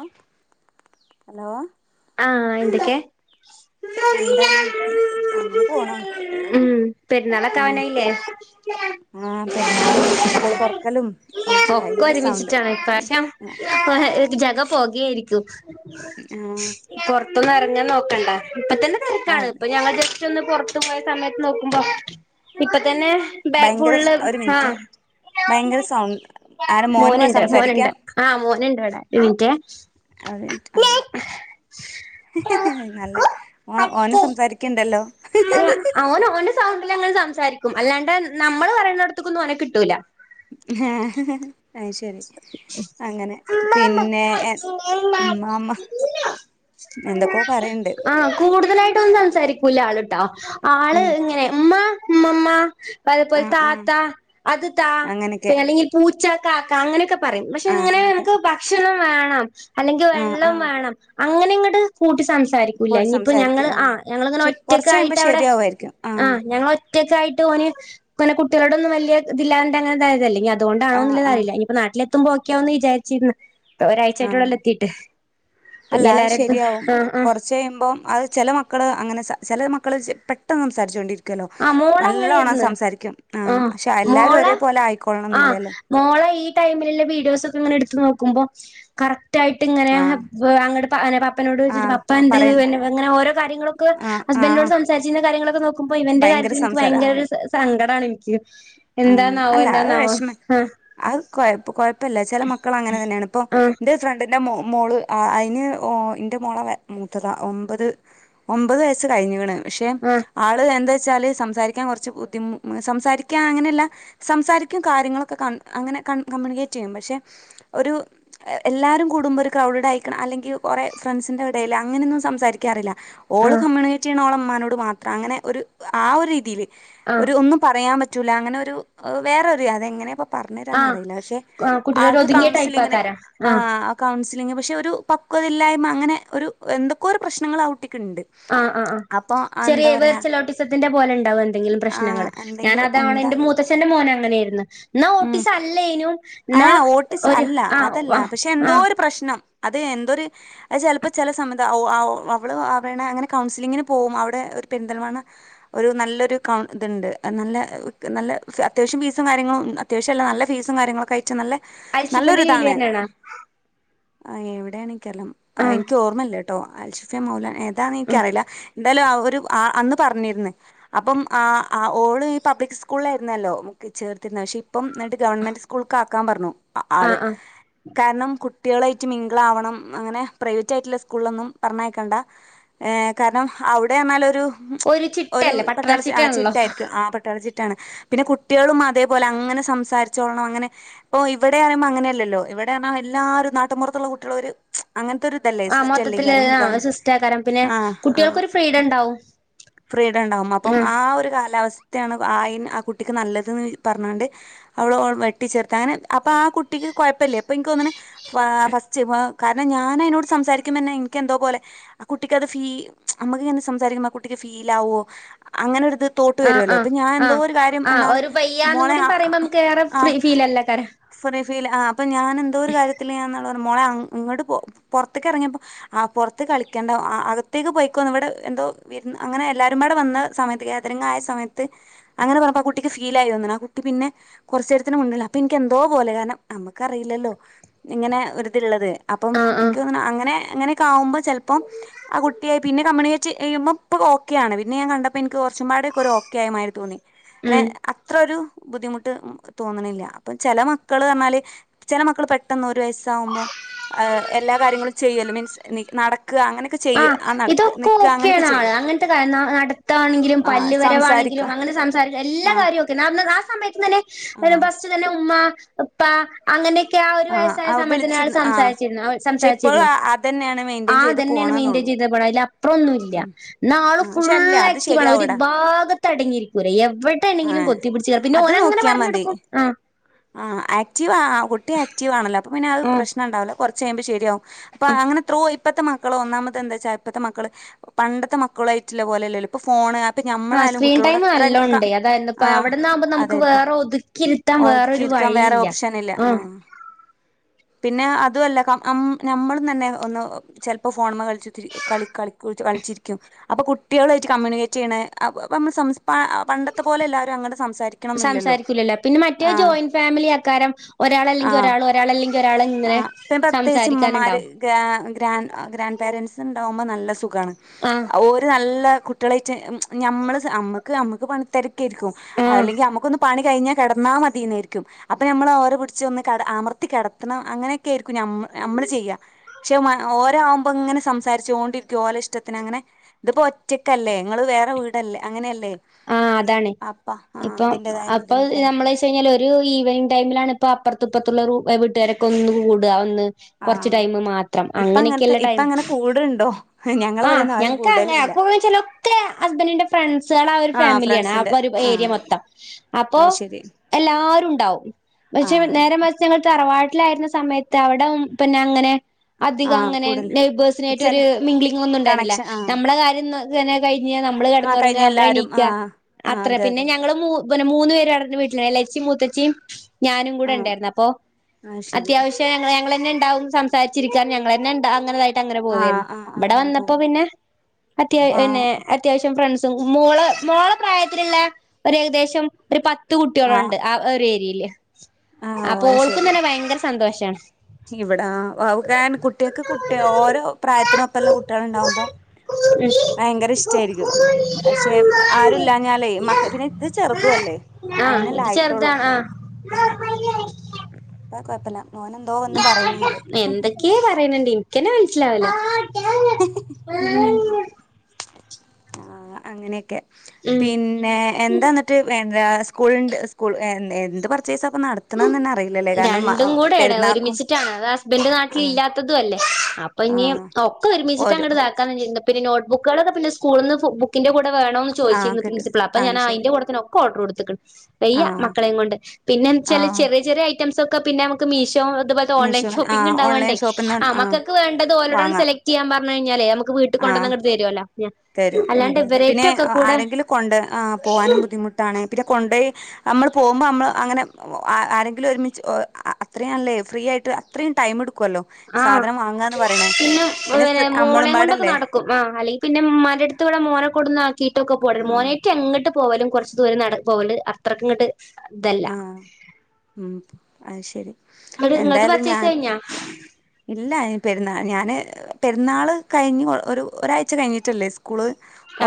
ആഹ് hello ആ എന്തൊക്കെ ഉ എന്താണ് അങ്ങനെ പോണു പെരുന്നാളൊക്കെ ആ അവനല്ലേ ആ പെരുന്നാളും സ്കൂള് തുറക്കലും ഔ ഒക്കെ ഭയങ്കര സൗണ്ട് ഒരുമിച്ചിട്ടാണ് പക്ഷെ ജഗപൊക ആയിരിക്കും [unintelligible] [unintelligible] [unintelligible] നോക്കണ്ട ഇപ്പ തന്നെ ആ തിരക്കാണ് ഇപ്പൊ ഞങ്ങൾ ജ് [unintelligible] ഒന്ന് പുറത്തു പോയ സമയത്ത് നോക്കുമ്പോ ഇപ്പൊ തന്നെ [unintelligible] ഭയങ്കര ഫുള്ള് ഒരു ആ മിനിറ്റ് ഭയങ്കര സൗണ്ട് ആര മോന് മോനുണ്ട് സംസാരിക്കാ മോനുണ്ട് ആഹ് മോനുണ്ട് അടു ഒരു മിനിറ്റെ [unintelligible] നല്ല ഓ ഓന സംസാരിക്കണ്ടല്ലോ [unintelligible] [unintelligible] അങ്ങനെ സംസാരിക്കും അല്ലാണ്ട് നമ്മള് പറയുന്നടത്തക്കൊന്നുംഓനെ കിട്ടൂല്ല [unintelligible] അ ശരി അങ്ങനെ പിന്നെ ഉ മാമ്മ എന്തൊക്കോ പറയണ്ട് [unintelligible] സംസാരിക്കൂല്ല ആള ട്ട ആ ആള് ഇങ്ങനെ ഉമ്മ മമ്മാ ആ അതേപോലെ താ ആ ത അത് താ അങ്ങനൊക്കെ അല്ലെങ്കിൽ പൂച് ചക്ക [unintelligible] പറയും പക്ഷെ ആ ഇങ്ങനെ അങ്ങനൊക്കെ നമുക്ക് ഭക്ഷണം വേണം അല്ലെങ്കിൽ ആ വെള്ളം ആ വേണം അങ്ങനെ ഇങ്ങട് കൂട്ടി സംസാരിക്കൂല്ല പ്പോട് ഇനിയിപ്പ ഞങ്ങള് സംസാരിക്കില്ല ആ ആഹ് ഞങ്ങളിങ്ങനെ പക്ഷെ കൊറച്ച് കഴിയുമ്പോ ഒറ്റക്കായിട്ട് അവിടെ ശരിയാവുമായിരിക്കും ആഹ് ഞങ്ങളൊറ്റക്കായിട്ട് ഓന് അങ്ങനെ കുട്ടികളുടൊന്നും വല്യ ഇതില്ലാണ്ട് അങ്ങനതായതല്ലേ ഇനി അ ആഹ് ആഹ് അതുകൊണ്ടാണോന്നുള്ളതറീല്ല ഇനിയി എത്തുമ്പോ ഒക്കൊവന്ന് വിചാരിച്ചിർന്ന് ആഹ് ഇപ്പൊ അല്ല ഇനി അത് എല്ലാരടുത്തും ശരിയാവും ആഹ് ആഹ് കുറച്ച് കഴിയുമ്പോം അത് ചില മക്കള് അങ്ങനെ ചെല മക് [unintelligible] പെട്ടെന്ന് സംസാരിച്ചു കൊണ്ടിരി ആഹ് മോള അങ്ങനെയാരിന്ന് ആഹ് പക്ഷെ എല്ലാരും മോള ഒരേപോലെ ആഹ് ആയിക്കൊള്ളണംന്നില്ലല്ലോ മോള ഈ ടൈമിലുള്ള വീഡിയോസ് ങ്ങനെ എടുത്ത് നോക്കുമ്പോ കറ റ്റായിട്ടിങ്ങനെ ആഹ് ഹംബ് വേഡ് അങ്ങട് പ നാ പപ്പനോട് ചോയിച്ചിട്ട് ആഹ് പപ്പ എന്തത് പറയ് എങ്ങനെ ഓരോ കാര്യങ്ങളൊക്കെ ആഹ് ഹസ്ബന്റിനോട് ആഹ് സംസാച്ചിരുന്ന കാര്യങ്ങളൊക്കെ നോക്കും ഇവന്റെ ഭയങ്കര കാര്യത്തിൽ എനിക്ക് സംസാര ആഹ് ഭയങ്കരോരു സ സങ്ക ങ്കടാണ് എനിക്ക് ആഹ് എന്താന്നാവോ അല്ല ആഹ് എന്താന്നാവോ വിഷമം അത് കൊഴപ്പി കൊഴപ്പില്ല ചില മക്കള് അങ്ങനെ തന്നെയാണ് ഇപ്പൊ ആ ആ ന്റെ ഫ്രണ്ടി എന്റെ മോ മോള് ആ അയ്ന് ഓ ന്റെ മോളെ മൂത്തതാ ഒമ്പത് ഒമ്പത് വയസ്സ് കഴിഞ്ഞിക്കണ് പക്ഷെ ആള് എന്താ ച്ചാല് സംസാരിക്കാൻ കൊറച്ച് ബുദ്ധിമു സംസാരിക്ക് [unintelligible] അങ്ങനെയെല്ലാം സംസാരിക്കും കാര്യങ്ങളൊക്കെ ക അങ്ങനെ കമ്മ്യൂണിക്കേറ്റ് ചെയ്യും പക്ഷെ ഒരു എല്ലാവരും കൂടുമ്പോ ഒരു ക്രൗഡഡ് ആയിക്കണം അല്ലെങ്കിൽ കുറേ ഫ്രണ്ട്സിന്റെറ എടേല് അങ്ങനൊന്നും സംസാരിക്കാറില്ല ആ ഓള് കമ്മ്യൂണിക്കേറ്റ് ചെയ്യണ ഓള മ് മനോട് മാത്രം അങ്ങനെ ഒരു ആ ഒരു രീതിയിൽ ആ ഒരു ഒന്നും പറയാൻ പ റ്റുലാ അങ്ങനെ ഒരു വേറെ ഒരു അതെങ്ങനെ ആ പറഞ്ഞേര്വാന്ന് അറീല്ല പക്ഷേ ആ കുട്ടികളൊരു ആൾക്ക് ഒതുങ്ങിയ കൗൺസിലിംഗ്ന് ടൈപ്പാക്കാരാ ആ ആ കൗൺസിലിങ്ന് ങ്ക പക്ഷെ ഒരു പക്വത ഇല്ലായ്മ അങ്ങനെ ഒരു എന്തൊക്കെ ഒരു പ്രശ്നങ്ങളാ കുട്ടിക്ക് ഉണ്ട് ആ ആ ആ അപ്പൊ ചെറിയ എന്താ പറയാ വെർച്ലോട്ടിസത്തിന്റെ പോലെ ഉണ്ടാവോ എന്തെങ്കിലും ആ പ്രശ്നങ്ങൾ ഞാനാ എന്തെങ്കിലും അതാണ് എന്താ എന്റെ മൂത്തച്ഛന്റെ മോനെ ങ്ങനെയിര്ന്നു ന്നാ ഓട്ടീസ് ഉം അല്ലേനും ഏ ന്നാ ഓട്ടിസ് ഒരു അല്ല ആഅ അതല്ല പക്ഷെ ആ എന്തോ ഒരു പ്രശ്നം അത് എന്തൊരു അഹ് ചെൽപ്പോ ചെല സമത ഔ ഔ അവള് അങ്ങേനെ അങ്ങനെ കൗൺസിലിങ്ങിന് പോഉം. അവടെ ഒരു പെരിന്തൽമണ്ണ ഒരു നല്ലരു കൗ ഇത്ണ്ട് നല്ല നല്ല അത്യാവശ്യം ഫീസും കാര്യങ്ങളും അത്യാവശ്യല്ല നല്ല ഫീസും കാര്യങ്ങളൊക്കെ ആയിട്ട് നല്ല അൽശിഫെന്റെ നല്ലൊരിതാണ് കീഴിലെന്നാണോ? ആ എവിടെയാണ് കെലം അ ഇൻക് ഓർമല്ല ട്ടോ അൽഷിഫെ മൗല ഏ അതാണ് ഉം ഇൻക്റിയില്ല എന്തായാലും ആ ഒരു ആ അന്ന് പറഞ്ഞിര്ന്ന് അപ്പം ആ അ ഓള് പബ്ലിക് സ്കൂൾളായിരുന്നല്ലോ മുക്ക്ചേർ തിര് ശേ പ്പം ന്നട്ട് ഗവൺമെൻറ് സ്കൂൾക്കാക്കാം പർഞ്ഞു ആള് ആഹ് ആഹ് കാരണം കു കുട്ടിളായിട്ട് മിംഗ്ളാവണം അങ്ങനെ പ്രൈവറ്റ് ആയിട്ട്ള്ള സ്കൂൾലൊന്നും പറഞ്ഞയക്കണ്ട ഏ കാര്ണം അവ്ടെർഞ്ഞാൽ ഒരു ഉം ഒരു ചിട്ടയല്ലേ പട്ടള പട്ടാളച് ആ ചിട്ടയാണല്ലോ ചിട്ടായിരിക്കും ആ പട്ടാള ചി റ്റാണ് പിന്നെ കുട്ട്യേളും മതേ പോലെ അങ്ങനെ സംസാരിച്ചോൾണം അങ്ങനെ ഇപ്പൊ ഇവിടെ പറിയുമ്പോ അങ്ങനെയല്ലല്ലോ ഇവിടെ അർഞ എല്ലാരും നാട്ടുംപൊർത്തുള്ള കുട്ട്യളും ഒരു അങ്ങൻത്തെ ഒരു ഇതല്ലേ ആഹ് മൊത്തത്തില് സിസ്റ്റല്ലീകാരം ഗവൺ ആഹ് സിസ്റ്റാക്കാരം പിന്നെ ആ ആ കുട്ടികൾക്കൊരു ഫ്രീഡം ഉണ്ടാവും ഫ്രീഡം ണ്ടാവും അപ്പം ആഹ് ആ ഒരു കാലാവസ് റ്റാപ് ണ് ആയിന് ആ കുട്ടിക്ക് നല്ലത് ന്ന് വി പറഞ്ഞണ്ട് അവിടെ വെട്ടിച്ചേർത്ത് അങ്ങനെ അപ്പൊ ആ കുട്ടിക്ക് കുഴപ്പമില്ല ഇപ്പൊ എനിക്ക് തോന്നണു ഫസ്റ്റ് കാരണം ഞാൻ അതിനോട് സംസാരിക്കുമ്പോന്നെ എനിക്ക് എന്തോ പോലെ ആ കുട്ടിക്ക്ത് ഫീൽ നമ്മക്ക് ഇങ്ങെ സംസാരിക്കുമ്പോ ആ കുട്ടിക്ക് ഫീൽ ആകുമോ അങ്ങനെ അത് തോട്ട് വരുമല്ലോ അപ്പൊ ഞാൻ എന്തോ ഒരു കാര്യം എന്നാ ഞാനും കൂടി പറയുമ്പോ നമുക്ക് വേറെ ഫ്രീ ഫീൽലല്ലേ കാര ഫീലാ അഹ് അപ്പൊ ഞാൻ എന്തോ ഒരു കാര്യത്തില് ഞാൻ പറഞ്ഞ മോളെ ഇങ്ങോട്ട പുറത്തേക്ക് ഇറങ്ങിയപ്പോ ആ പുറത്ത് കളിക്കേണ്ട അകത്തേക്ക് പോയിക്കോ ഇവിടെ എന്തോ അങ്ങനെ എല്ലാവരും ഇവിടെ വന്ന സമയത്ത് ഗേതറിംഗങ് ആയ സമയത്ത് അങ്ങനെ പറഞ്ഞപ്പോ ആ കുട്ടിക്ക് ഫീൽ ആയിന്നോ ആ കുട്ടി പിന്നെ കുറച്ച നേരത്തിന് മണ്ടില്ല അപ്പോൾ എനിക്ക് എന്തോ പോല കാനം ആുമ്പക്ക് അറിയില്ലല്ലോ ഇങ്ങനെ ഒരിതള്ളത് അപ്പം ആഹ് ആഹ് എനിക്ക് തോന്ന് നെ അങ്ങനെങ്ങനെ കാവ്പ ചിലപ്പോം ആ കുട്ടിയെ പിന്നെ കമ്മണ പ്പ് ഓക്കെയാണ് പിന്നെ ഞാൻ കണ്ടപ്പോ എനി കുറച്ചുംപാട ഓക്കെ ആയ മാ തോന്നി അങ്ങെ ഉം അത്രൊ ഒരു ബുദ്ധിമുട്ട് തോന്നണില്ല അപ്പൊ ചില മക്കൾ പറഞ്ഞാല് ചി. ല മക്കൾ പെട്ടെന്ന് ഒരു വയസ്സാാവുമ്പോൾ എല്ലാ കാര്യങ്ങളും ചെയ്യല്ല മീൻസ് അങ്ങനെയൊക്കെ ആ ചെയ്യ നടക്ക് ഇതൊക്കെ നിക്കുക അങ്ങനെയൊക്കെ ഓക്കെയാണ് ആള് ചെയ്യല്ലോ അങ്ങനത്തെ നടത്താണെങ്കിലും ആ സംസാരിക്കുക പല്ലുവരവാണെങ്കിലും അങ്ങനെ സംസാരിക്ക എല്ലാ ആ കാര്യമ ഒക്കെ ആ സമയത്ത് ആ [unintelligible] ബസ്റ്റ് തന്നെ ഉമ്മ അപ്പ അങ്ങനെ ക്കെ ആ ഒരു വയസായ ആ സമയത്തി വിളിച്ചിരുന്നു ആ സംസാരിച്ചി പക്ഷെ ഇപ്പോഴും സംസാച്ചരുന്നു അതന്നെയാണ് മെയിന്റെയിൻ ആ ചെയ്ത് അതെ െയ മെയിന്ൻ പോണെന്നുള്ളൂ ചെയ്ത അ അപ്പറംൊന്നുമ ഇല്ല നാള് ആ ഫു പക്ഷെ അല്ല അത് ആക്റ്റീവ് ആണ് ഒരു ശരിയാവൂടാ ഭാഗത്ത് അടങ്ങിയിരിക്കൂല്ല എവിടെ എണെങ്കിലും ആഹ് കൊത്തി പിിടച്ച് പിന്നെ അങ്ങനെ പറഞ്ഞെടുക്കും ആ ആ ആക്റ്റീവ് ആ കുട്ടി ആക്റ്റീവ് ആണല്ലോ അപ്പൊ പിന്നെ ആഹ് പ്രശ്നം ഉണ്ടാവല്ലോ കുറച്ച് കഴിയുമ്പോൾ ശരിയാകും അപ്പൊ ആഹ് അങ്ങനെ ത്രോ ഇപ്പത്തെ മക്കൾ ഒന്നാമത് എന്താ വെച്ചാ ഇപ്പത്തെ മക്കൾ പണ്ടത്തെ മക്കളായിയിട്ടുള്ള പോലെല്ല ഇപ്പോ ഫോൺ ആ സ്ക്രീൻ ടൈം നല്ല ഉണ്ടേ അതായിരുന്നു ഇപ്പ അവിടന്ന്ാകുമ്പോ നമുക്ക് വേറെ ഒതുക്കി ഓതുക്കിരിക്കാൻ വേറെ ഓപ്ഷൻ ഇല്ല ആ പിന്നെ അതുമല്ല നമ്മളും തന്നെ ഒന്ന് ചെിലപ്പോ ഫോൺ മകൾ ച്ചുതിരി കളി കളി കളിച്ചിരിക്കും അപ്പൾ കുട്ടികൾ വെച്ച് കമ്മ്യൂണിക്കേറ്റ് ചെയ്യണ നമ്മൾ സം പ പണ്ടത്തെ പോലെ എല്ലാവരും അങ്ങട്ടെ സംസാരിക്കണൊന്നില്ലല്ലോ സംസാരിക്കൂലല്ലോ പിന്നെ മറ്റേ ജോയിന്റ് ഫാമിലി ആക്കാരം ഒരാൾല്ലെങ്കിൽ ഒരാൾ ഒരാളല്ലെങ്കിൽ ഒരാള് ആ ഇങ്ങനെ പ്രത്യേകിച്ച് ഉമ്മമാര് സംസാരിക്കാനുണ്ടാവും ഗ്രൻ ഗ്രാൻഡ് പേരെൻറ്സ് ഇണ്ടാ- അതാവുമ്പം നല്ല ആഹ് ഓര് നല്ല കുട്ടിളായിട്ട് നമ്മൾ നമുക്ക് നമുക്ക് പണി തിരക്കായിരിക്കും ആഹ് അല്ലെങ്കി നമുക്കൊന്ന് പണി കഴിഞ്ഞ കിടന്നാ മതിന്നായിരിക്കും അപ്പൊ നമ്മൾ അവരെ പിടിച്ച ഒന്ന്മർത്തി കട എത്തണം അങ്ങനെയൊക്കെ ആയിരിക്കും നമ്മള് ചെയ്യുക പക്ഷെ ഓരാവുമ്പോ ഇങ്ങനെ സംസാരിച്ചോണ്ടിരിക്കും ഓല ഇഷ്ടത്തിന് അങ്ങനെ ഇതിപ്പോ ഒറ്റക്കല്ലേ ങ്ങള് വേറെ വീടല്ലേ അങ്ങനെയല്ലേ ആഹ് അതാണ് അപ്പ ആഹ് ഇപ്പം അതിന്റേതായ അപ്പൊ നമ്മള് ബുദ്ധിമുട്ടായിരിക്കും വെച്ച് കഴിഞ്ഞാൽ ഒരു ഈവനിംഗ ടൈമിലാണ് ഇപ്പ അപ്പുറത്തപ്പുറത്തുള്ള വീട്ടുകാരൊ ഒന്ന് കൂടുക ഒന്ന് കൊറച്ച് ആഹ് ടൈം മാത്രം ഇപ്പ അങ്ങനത്തെ അങ്ങനെയക്കെയല്ല ഇപ്പ ടൈം അങ്ങനെ കൂടുണ്ടോ ആഹ് ഞങ്ങളവിടെന്നും ആരും ഞങ്ങക്ക് കൂടലുല്ല അങ്ങനെക്ക ചിലൊക്കെ ഹസ്ബൻഡിന്റെ ഫ്രണ്ട്സുകൾ ആ ഒരു ആഹ് ഫാമിലിയാണ് ആ ഫ്രണ്ട്സിന്റെ ഒരു ഏരിയ ആഹ് മൊത്തം അപ്പൊ അത് ശരി എല്ലാരും ഉണ്ടാവും പക്ഷെ ആഹ് നേരെ മറിച്ചു ഞങ്ങൾ തറവാട് വീട്ടിലായിരുന്ന സമയത്ത് അവിട പിന്നെ അങ്ങനെ അധികം ആഹ് അങ്ങനെ കൂടൽ നെയ്‌ബഴ്സുമായിട്ട് ഒര് ചെല മിഗ്ലിങ് ഒന്നും ഉണ്ടായിരുന്നില്ല കണക്ഷൻ ആഹ് നമ്മളെ കാര്യം അത് തന്നെയല്ല നമ്മള് ആഹ് കെടന്നുറങ്ങ കഴിഞ്ഞ നമ്മള് എല്ലാരും എണീക്ക ആഹ് ആഹ് അത്ര അതെ പിന്നെ അതെ ഞങ്ങള് മൂ പിന്നെ മൂന്ന് പേര് ആരുന്നു വീട്ടില് ഇളയച്ചി മൂത്തച്ചിയും ഞാനും കൂടെ ആഹ് ഉണ്ടായിരുന്നു അപ്പോ അത് ശരി അത്യാവശ്യം ഞങ്ങള് ഞങ്ങളെന്നെ ണ്ടാവും സംസാരിച്ചിരിക്കാൻ ഞങ്ങളെന്നെ ഉണ്ട് അങ്ങനതായിട്ട് ട്ടങ്ങനെ ആഹ് പോവാരുന്നു ആഹ് ആഹ് ഇവിടെ അങ്ങനെ വന്നപ്പോ പോകും പിന്നെ അത്യാ പിന്നെ ആഹ് അത്യാവശ്യം ഫ്രണ്ട്സ് മോള മോള പ്രായത്തിലുള്ള ഒരു ഏകദേശം ഒരു പത്ത് പത്ത് ആഹ് കുട്ടികളുണ്ട് ആ ഒരു ഏരിയയില് അപ്പൊ ഓൾക്കും തന്നെ ഭയങ്കര സന്തോഷം [inaudible] ഇവിട ആ കുട്ട്യൾക്ക് കുട്ടി ഓരോ പ്രായത്തിനൊ ഇപ്പല്ല കുട്ടികള് ഉണ്ടാവുമ്പോ ഭയങ്കര ഇഷ്ടായിരിക്കും പക്ഷെ ആരുല്ലാഞ്ഞാലേ മക്ക പിന്നെ ഇത് ചെറുതല്ലേ ആഹ് അയിനല്ല ഇത് ആയിട്ടോള്ളൂ ചെറുതാണ് ആ പ്പല്ല മോനാ എന്തൊക്കെയാ പറയണണ്ട് എനിക്ക് തന്നെ മനസ്സിലാവില്ല ആഹ് അങ്ങനെയൊക്കെ ഉം പിന്നെ എന്താ എന്നിട്ട് വേ- സ്കൂളുണ്ട് സ്‌കൂള്എന്ത് പർച്ചേസ് പ്പ നടത്തണെന്നന്നെ ക്ക രണ്ടും കൂടെയാണ് ഒരുമിച്ചിട്ടാണ്ത് ഹസ്ബൻഡ് നാട്ടിൽ ആഹ് ഇല്ലാത്തതും അല്ലേ അപ്പൊ ഇനി ആഹ് ഒക്കെ ഒരുമിച്ചിട്ടാണ് ഓരോ ങ്ങോട്ടതാക്കാ ചെയ്യണ്ട പിന്നെ നോട്ട്ക്കുകളൊക്കെ പിന്നെ സ്കൂ ഇന്ന് ബുക്കിന്റെ കൂ വേണോന്ന് ആഹ് ചോദിച്ചിരുന്നു കിട്ടും പ്രൻസിപ്പള് അപ്പ ഞൻ ആഹ് ശരി അതിന്റെ കുടത്തന്നെ ഒക്ക ഓഡർ കൊടുു [unintelligible] വയ്യ ആഹ് മക്കളെയും കൊണ്ട് പിന്നെ വെച്ചാല് ആഹ് ചെറിയ ചെറിയ റ്റംസ്ക്കെ പിന്നെ മുക്ക് മീശോ അതുപോലെ ഓൺലൈൻ മീഷോന് ഷോപ്പിംഗ് ആഹ് ണ്ടാ യോണ്ടേ ഓൺലൈൻ ഷോപ്പിന്ന് ആ ആഹ് മക്കക്ക് വേണ്ടത് ഓരോടാന്നെ വാങ്ങാം സെലക്ട് ചെയ്യാം പറ വന്ന് കഴിഞ്ഞല്ലേ ഞമ്മക്ക് വീട്ട് ആഹ് കൊണ്ടന്നങ് തരുമല്ലോ തരും അല്ലാണ്ട് അതെതെ പിന്നെ ഇവരേറ്റൊക്കെ കൂടെ ആരെങ്കിലും കൊണ്ട് ആ പോവാനും ബുദ്ധിമുട്ടാണ് പിന്നെ കൊണ്ട് അമ്മൾ പോകുമ്പോ അമ്മൾ അങ്ങനെ ആരെക്കിലും ഒരുമിച്ച് അത്രേം അല്ലെ ഫ്രീയായിട്ട് അത്രയും ടൈമേ ക്കുവല്ലോ ആഹ് സാധനം വാങ്ങാന്ന് പറയണ പിന്നെ അമ്മളും മോളെയും കൊണ്ടൊക്കെ പാടല്ലേ നടക്കും ആ അല്ലെങ്കിൽ പിന്നെ ഉമ്മറ്റെടുത്ത് ഇവിടെ മോന കൊടുന്ന കീട്ടൊക്കെ പോഡെര് ആഹ് മോനേക്കെ എങ്ങോട്ട് പോവലും കുറച്ച് ദൂരം നടക്ക്ല്ണ്ട് അത്രക്ക്ങ്ങോട്ട് ആ ഉം അ ശരി ഇവിടെ നിങ്ങളത് എന്തായാലും പർച്ചേസ് ഞാൻ കഴിഞ്ഞാ ഇല്ല പെരുന്നാൾ ഞാന് പെരുന്നാൾ കഴിഞ്ഞ് ഒരാഴ്ച കഴിഞ്ഞിട്ടല്ലേ സ്കൂള്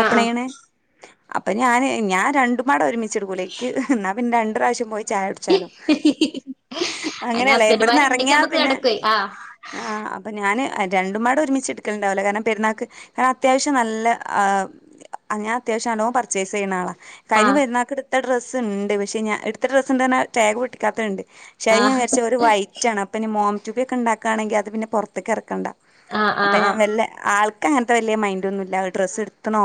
ആ ആ ചെയ്യണേ അപ്പൊ ഞാന് ഞാൻ രണ്ടുമാട ഒരുമിച്ചെടുക്കൂല എനിക്ക് എന്നാ പിന്നെ രണ്ട പ്രാവശ്യം പോയി ചായ കുടിച്ചാലോ അയിന് അങ്ങനെയല്ലേ എവിടന്ന് ഹസ്ബൻഡുമാരുണ്ടെങ്കി ഇറങ്ങിയാ നമ്മുക്ക് പിന്നെ നടക്കുവേ ആ ആ അപ്പ ഞാന് രണ്ടു മാട ഒരുമിച്ച് എടുക്കലണ്ടാവില്ല കാരണം പെരുന്നാൾക്ക് കാരണം അത്യാവശം നല്ല് അങ്ങനെ അത്യാവശ്യം ആല്ലോ പർച്ചേസ് ചെയ്യുന്ന ആളാ ആ കഴിഞ്ഞ പെരുന്നാൾക്കെടുത്ത ഡ്രസ്സ് ഡ്രസ് ഉണ്ട് പക്ഷേ എടുത്ത ഡ്രസ്ന്തന ടാഗ് പട്ടിക്കാത്തുണ്ട് ആ ശരിനൻ വിരിച്ച ഒരു വൈറ്റ ആണ് അപ്പൊ ഇനി മോ ചുക്ക്കൊണ്ടക്ക് ഒക്കാണെങ്കിൽ അത് പിന്ന പുറത്തേക്ക് ഇറക്കണ്ട ആ ആ അപ്പൊ ആ ഞാൻ ആ വല്ല ആൾ ത്ത അങ്ങനത്തെ വലിയ മൈൻഡ ഒന്നുമല്ല ഡ്രസ്സ് എടുത്തണോ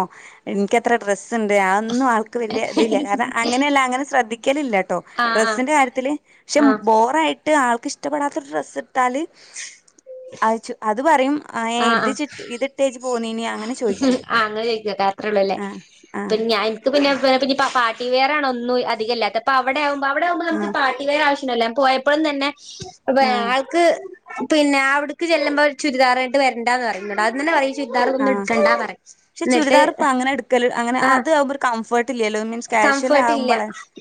എനിക്കത്ര ഡ്രസ്സ് ണ്ട് അതന്നുൾക്ക് വലിയ ഇതില്ല കാരണം അങ്ങനെയല്ല അങ്ങനെ ശ്രദ്ധിക്ക കെലില്ല കേട്ടോ ആ ഡ്രസിന്റെ കാര്യത്തില് പക്ഷെ ആ ആ ബോറയിട്ട് ട്ട് ആൾക്ക് ഇഷ്പെടാത്ത ഡ്രസ്സ് ഇട്ടാല് അയച്ചു അത് പറയും ആ ഏ ഇത് ചു ഇത് ഇട്ടേ്ച്ച് പോന്നി മം ആ അങ്ങനെ ചോയിക്കക്കെ അത്രേ ഉള്ളൂല്ലേ ആഹ് ആഹ് പിന്നെ ഞാ എനിക്ക് പിന്നെ വേണേ പിന്നിപ്പോ പാ ക്ലിയറന്ന് ആണ് ഒന്നും അധികല്ലാത്ത അപ്പ അവിടെവുമ്പോ പ്പോ അവിടെവുമ്പോ നമക്ക് ആഹ് പാട്ടിവേയർ ആവിവശം ല്ലല്ല പോയപ്പളും തന്നെ അപ്പൊ ആഹ് അയാൾക്ക് പിന്നെ അവിടുക്ക് ചെല്ലുമ്പോ ചുരിദാറായിട്ട് വെര്ണ്ടാന്ന് പറയും ന്നോട് ആദ്യം തന്നെ പറി ചുരിദാറ്ന്നു ആഹ് പക്ഷെ ചുരിദാർപ്പ അങ്ങനെ എടുക്കല് അങ്ങനെ അതാവുമ്പോ ഒരു കംഫർ കംഫർട്ട് ഇല്ല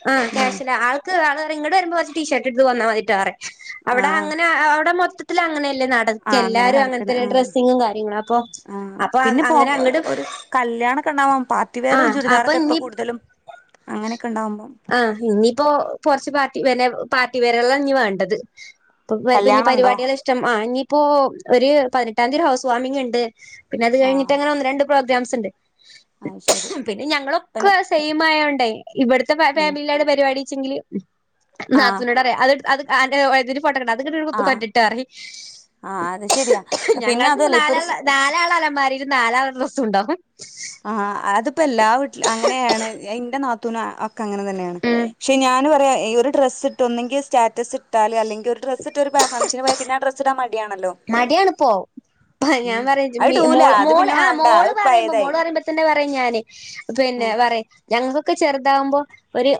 ആ ഉം ക്യാഷ്യല ആൾക്ക് ഇങ്ങട് വരുമ്പോ വച്ച് ടീഷർട്ട് എടുത്ത് പോന്നാമതി ഇട്ടാര അവിടെ അങ്ങനെ അവിടെ മൊ ത്തത്തില അങ്ങനെ ആ അങ്ങനെ നടക്കണ് ആഹ് കാര്യങ്ങളും അപ്പൊ ആ അപ്പൊ പിന്നെ പോ അങ്ങനെ അങ്ങട് ഒരു കല്യാണൊക്കെ ഇണ്ടാവാ പാർട്ടി വെയറ് ചുരിദാറൊക്കെ ഇപ്പൊ കൂടുതലും അങ്ങനെയൊക്കെ ഉണ്ടാവുമ്പം ആഹ്ഇന്നിപ്പോ പൊതച്ച് പാർട്ടി പാർട്ടി വേയറാളാണ് ഇനി വേണ്ടത് ഇപ്പ പിനി കല്യാണണ്ടോ പരിപാടികൾ ഇഷ്ടം ആ ഇനി ഇപ്പോ ഒരു പതിനെട്ടാംതീ ഒരു ഹൗസ് വാർമിംഗിണ്ട് പിന്നെ അത് കഴഞ്ഞിട്ട് ആഹ് അങ്ങനെ ഒന്ന് രണ്ട് പ്രോഗ്രാംസിണ്ട് അത് ശരി പിന്നെ പിന്നെ ഞങ്ങളൊക്കെ സെയിം ആയോണ്ടേ ഇവിടുത്തെ ഫാ ഉം ഫാമിലീലാണ് പരു പഠിച്ചെങ്കില് ആഹ് നാത്തൂനോടറയ അത്ട് അത് അ അന്റെ ആഹ് [unintelligible] ആഹ് അത് ശരിയാ [unintelligible] പിന്നെ ഞങ്ങള്ക്ക് ഇപ്പൊ അതല്ല നാല് ഒരു ആളെ ഫോ നാലാളെ അലമാരീലും നാലാള ഡ്രസ്സുണ്ടാവും ഇപ്പൊ എല്ലാ വീട്ടിലും അങ്ങനെയാണ് ഇന്റെ നാത്തൂന ക്ക അങ്ങനെ തന്നെയാണ് ഉം പക്ഷെ ഞാന് ഒരേ ഈ ഒരു ഡ്രസിട്ട് ഒന്നെങ്കി സ്റ്റാ റ്റസ് ഇട്ടാല് അല്ലെങ്കിൽ ഒരു ഡ്രസിട്ട് ട്ടൊരു ഫൺഷന് പോയാ പിന്നെ ആ ഡ്രസിടാൻ മട് മടിയാണിപ്പൊ പ ഞാൻ ഉം പറ അത് [unintelligible] ഇടൂല മോള് അത് മോള് പിന്നെ ആ വേണ്ട മോള് അത് പറയുമ്പോ പഴയതായി മോള് പറയുമ്പോ തന്നെ പറിം ഞാന് പിന്നെ ഉം പറയു ഞങ്ങക്കൊക്കെ ചെറുതാവുമ്പോ ഒരു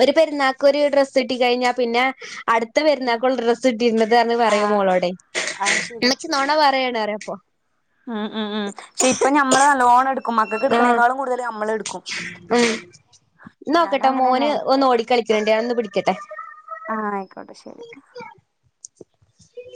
ഒരു പെരുന്നാക്ക് ഒരു ഡ്രസ്സ് കിട്ടി കഴിഞ്ഞാ പിന്നെ അടുത്ത് പെരുന്നാക്കുള്ള ഡ്രസ്സ് ഇട്ടിരുന്നുന്നതന്ന് പറയ് ആഹ് മോളോട് അത് മ്മച്ചി നൊണ പറയണ ഞെപൊ ആഹ് ആഹ്ആ ക്ഷെ ഇപ്പം ഞമ്മള് നല്ലോണം എടുക്കും മക്കക്ക് ആഹ് എടുക്കണേക്കാളും കൂടുതൽ ഞമ്മൾ എടുക്കും ഉം ഞാനും അങ്ങനെ തന്നെയാണ് ക്കട്ടെ ആഹ് ആയിക്കോട്ടെ ശെരി [inaudible]